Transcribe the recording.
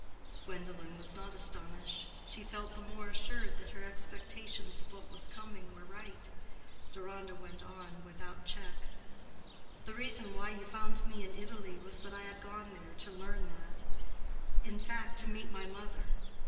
Gwendolen was not astonished: she felt the more assured that her expectations of what was coming were right. Deronda went on without check. "The reason why you found me in Italy was that I had gone there to learn that—in fact, to meet my mother.